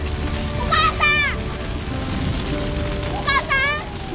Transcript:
お母さん！